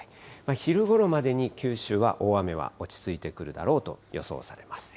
昼ごろまでに九州は大雨は落ち着いてくるだろうと予想されます。